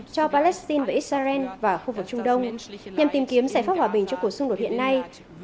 cho palestine và israel và khu vực trung đông nhằm tìm kiếm giải pháp hòa bình cho cuộc xung đột hiện nay